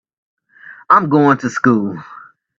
I'm going to school.